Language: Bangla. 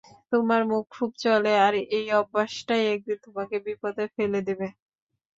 তোমার মুখ খুব চলে, আর এই অভ্যাসটাই একদিন তোমাকে বিপদে ফেলে দেবে।